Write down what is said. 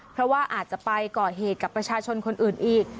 เพราะว่าอาจจะไปก่อเหตุกับประชาชนคนอื่นอีก